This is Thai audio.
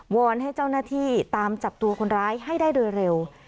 อนให้เจ้าหน้าที่ตามจับตัวคนร้ายให้ได้โดยเร็ว